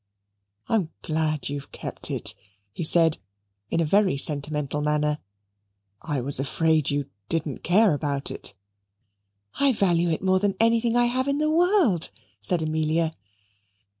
"I'm glad you've kept it," he said in a very sentimental manner. "I was afraid you didn't care about it." "I value it more than anything I have in the world," said Amelia.